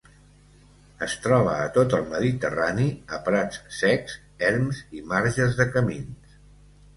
Es troba a tot el Mediterrani, a prats secs, erms i marges de camins.